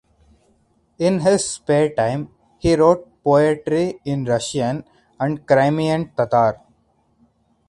In his spare time he wrote poetry in Russian and Crimean Tatar.